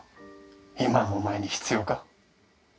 今のお前に必要か？